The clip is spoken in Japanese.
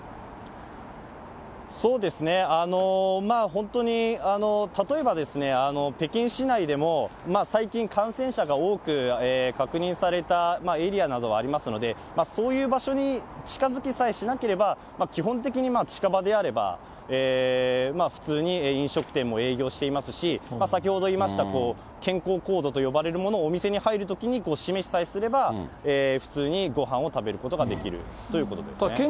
そうですね、本当に、例えばですね、北京市内でも最近、感染者が多く確認されたエリアなどはありますので、そういう場所に近づきさえしなければ、基本的に近場であれば、普通に飲食店も営業していますし、先ほど言いました、健康コードと呼ばれるものをお店に入るときに示しさえすれば、普通にごはんを食べることができるということですね。